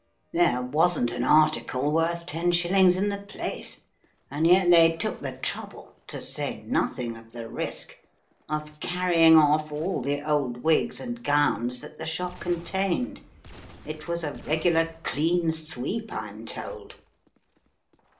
There wasn't an article worth ten shillings in the place and yet they took the trouble, to say nothing of the risk, of carrying The Threads of Chance 55 off all the old wigs and gowns that the shop con tained* It was a regular clean sweep I'm told."